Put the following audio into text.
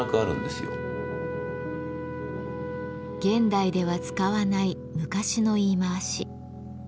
現代では使わない昔の言い回し。